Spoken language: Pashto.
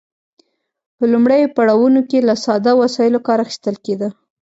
په لومړیو پړاوونو کې له ساده وسایلو کار اخیستل کیده.